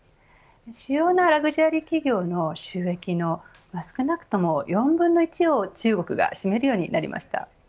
主要なラグジュアリー企業の収益の少なくとも４分の１を中国が占めるようになりました。